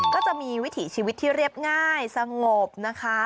ก็จะมีวิถีชีวิตที่เรียบง่ายสงบนะคะ